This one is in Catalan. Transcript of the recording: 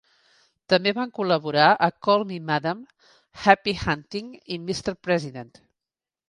També van col·laborar a "Call Me Madam", "Happy Hunting" i "Mr. President".